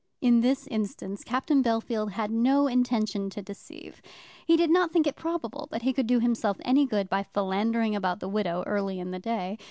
In this instance Captain Bellfield had no intention to deceive. He did not think it probable that he could do himself any good by philandering about the widow early in the day.